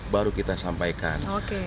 baru kita sampaikan